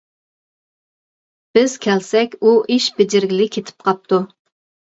بىز كەلسەك ئۇ ئىش بېجىرگىلى كېتىپ قاپتۇ.